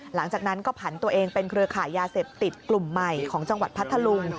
หลังจากนั้นก็ผันตัวเองเป็นเครือขายยาเสพติดกลุ่มใหม่ของจังหวัดพัทธลุง